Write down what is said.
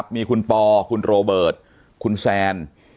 มีคุณปอคุณโรเบิร์ตคุณแซน